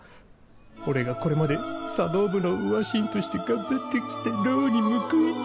俺がこれまで茶道部の上神として頑張ってきた労に報いて